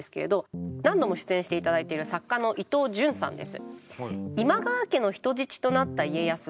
何度も出演していただいている作家の伊東潤さんです。